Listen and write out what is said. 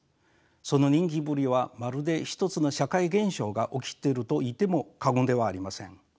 その人気ぶりはまるで一つの社会現象が起きてるといっても過言ではありません。